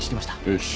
よし。